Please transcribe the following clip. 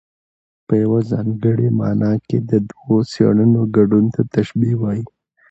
په یوه ځانګړې مانا کې د دوو څيزونو ګډون ته تشبېه وايي.